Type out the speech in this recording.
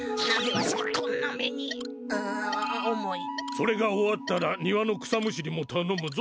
それが終わったら庭の草むしりもたのむぞ。